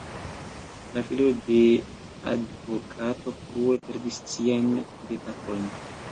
La filo de advokato frue perdis siajn gepatrojn.